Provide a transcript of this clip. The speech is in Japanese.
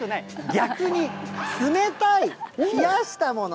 逆に冷たい、冷やしたもの。